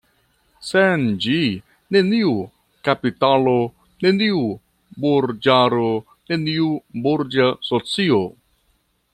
Sen ĝi, neniu kapitalo, neniu burĝaro, neniu burĝa socio.